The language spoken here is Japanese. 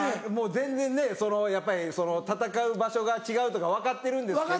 全然ねそのやっぱり戦う場所が違うとか分かってるんですけど。